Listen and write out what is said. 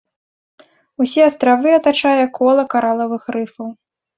Усе астравы атачае кола каралавых рыфаў.